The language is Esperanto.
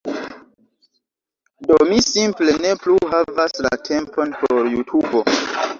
Do mi simple ne plu havas la tempon por Jutubo